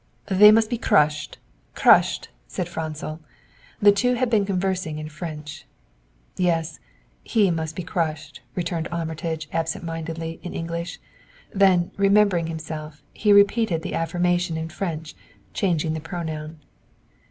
"They must be crushed crushed," said Franzel. The two had been conversing in French. "Yes, he must be crushed," returned Armitage absent mindedly, in English; then, remembering himself, he repeated the affirmation in French, changing the pronoun.